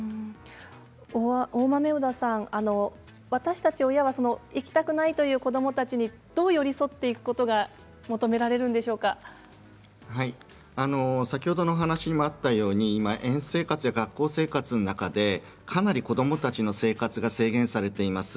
大豆生田さん、私たち親は行きたくないという子どもたちにどう寄り添っていくことが先ほどの話にもあったように園生活、学校生活の中でかなり子どもたちの生活が制限されています。